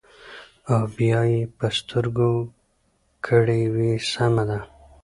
او بيا يې پۀ سترګو کړې وې سمه ده ـ